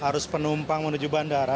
harus penumpang menuju bandara